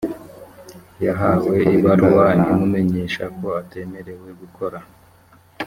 yahawe ibaruwa imumenyesha ko atemerewe gukora